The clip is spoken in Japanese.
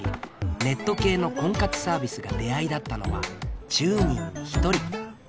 ネット系の婚活サービスが出会いだったのは１０人に１人。